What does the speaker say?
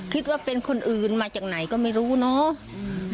คิดว่าเป็นคนอื่นมาจากไหนก็ไม่รู้เนาะ